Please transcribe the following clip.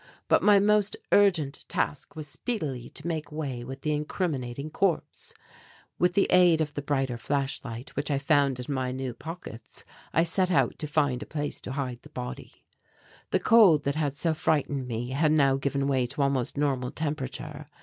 But my most urgent task was speedily to make way with the incriminating corpse. With the aid of the brighter flashlight which I found in my new pockets, I set out to find a place to hide the body. The cold that had so frightened me had now given way to almost normal temperature.